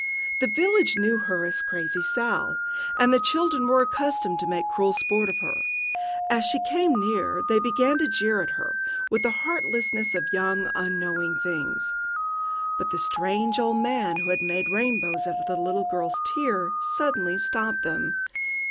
The village knew her as Crazy Sal, and the children were accustomed to make cruel sport of her. As she came near they began to jeer at her, with the heartlessness of young, unknowing things. But the strange old man who had made rainbows out of the little girl's tear suddenly stopped them.